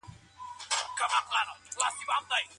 له دې کبله، د ټولنیزو اړیکو تحلیل مهم دی.